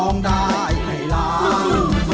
ร้องได้ให้ร้อง